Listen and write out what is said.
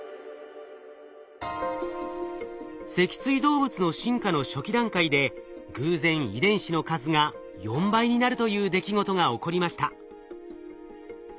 脊椎動物の進化の初期段階で偶然遺伝子の数が４倍になるという出来事が起こりました。